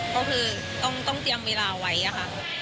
ก็คือต้องเตรียมเวลาไว้ค่ะ